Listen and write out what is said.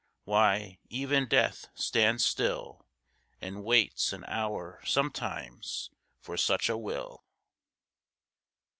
Why, even Death stands still, And waits an hour sometimes for such a will.